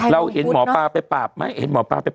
เราเห็นหมอป้าไปปราบไหมล่ะ